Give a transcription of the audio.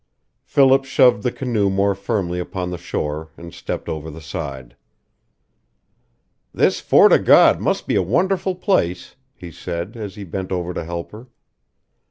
Philip shoved the canoe more firmly upon the shore and stepped over the side. "This Fort o' God must be a wonderful place," he said, as he bent over to help her.